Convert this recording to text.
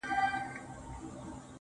o يو نه دی چي و تاته په سرو سترگو ژاړي.